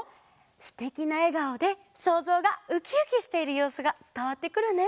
すてきなえがおでそうぞうがウキウキしているようすがつたわってくるね。